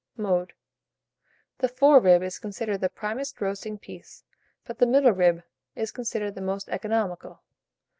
Mode. The fore rib is considered the primest roasting piece, but the middle rib is considered the most economical.